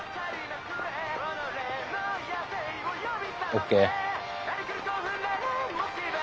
ＯＫ。